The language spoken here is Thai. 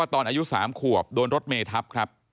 อายุ๓ขวบโดนรถเมทับครับ